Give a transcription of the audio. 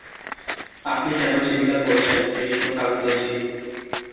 আপনি কেন চিন্তা করছেন, কৃষ্ণকান্তজি?